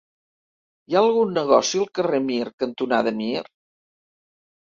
Hi ha algun negoci al carrer Mir cantonada Mir?